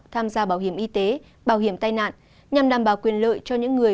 tham gia bảo hiểm y tế bảo hiểm tai nạn nhằm đảm bảo quyền lợi cho những người